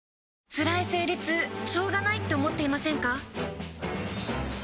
つらい生理痛しょうがないって思っていませんか？